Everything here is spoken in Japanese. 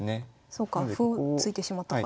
そうか歩突いてしまったから。